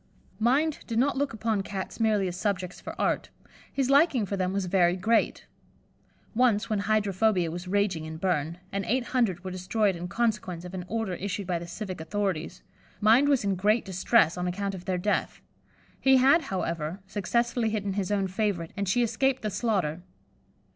Mind did not look upon Cats merely as subjects for art; his liking for them was very great. Once when hydrophobia was raging in Berne, and eight hundred were destroyed in consequence of an order issued by the civic authorities, Mind was in great distress on account of their death. He had, however, successfully hidden his own favourite, and she escaped the slaughter.